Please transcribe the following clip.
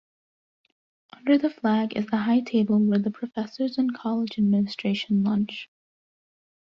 Under the flag is the high table where the professors and college administration lunch.